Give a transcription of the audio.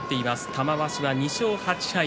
玉鷲は２勝８敗。